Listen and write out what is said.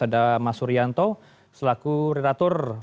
ada masuryanto selaku redaktor